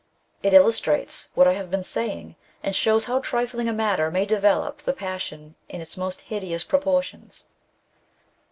It illustrates what I have been saying, and shows how trifling a matter may develope the passion in its most hidoous proportions.